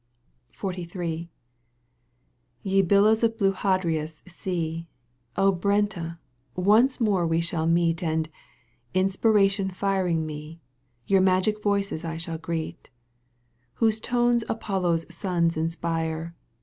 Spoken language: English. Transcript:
XLni. Ye billows of blue Hadria's sea, Brenta, once more we shaH meet And, inspiration firing me. Your magic voices I shall greet, , Whose tones Apollo's sons inspire.